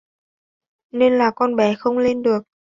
nên là con bé không lên được